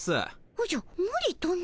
おじゃむりとな？